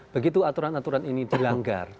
begitu aturan aturan ini dilanggar